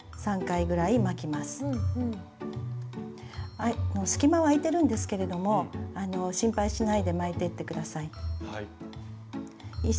はい隙間は空いてるんですけれども心配しないで巻いていってください。